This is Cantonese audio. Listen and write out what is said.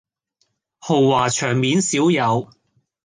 豪華場面少有